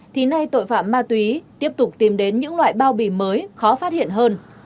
thì nay tội phạm ma túy tiếp tục tìm đến những loại bao bì mới khó phát hiện hơn